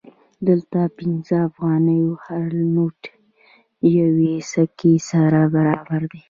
دلته د پنځه افغانیو هر نوټ یوې سکې سره برابر دی